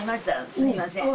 すいません